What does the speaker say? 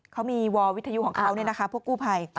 เขามีวอลวิทยุของเขาพวกกู้ภัย